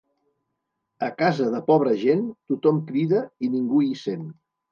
A casa de pobra gent, tothom crida i ningú hi sent.